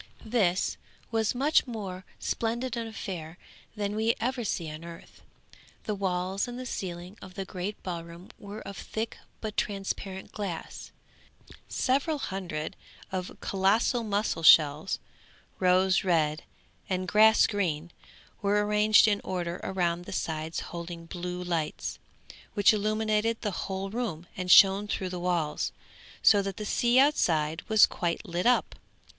This was a much more splendid affair than we ever see on earth. The walls and the ceiling of the great ballroom were of thick but transparent glass. Several hundreds of colossal mussel shells, rose red and grass green, were ranged in order round the sides holding blue lights, which illuminated the whole room and shone through the walls, so that the sea outside was quite lit up.